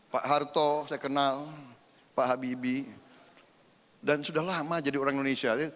pak harto saya kenal pak habibie dan sudah lama jadi orang indonesia